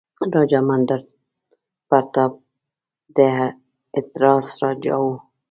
راجا مهیندراپراتاپ د هتراس راجا وو.